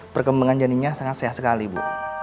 perkembangan janinnya sangat sehat sekali bu